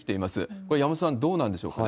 これ、山本さん、どうなんでしょうかね。